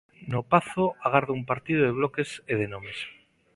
No Pazo agarda un partido de bloques e de nomes.